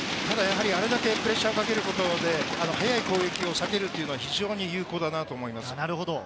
あれだけプレッシャーをかけることで、速い攻撃を避けるっていうのは非常に有効だと思います。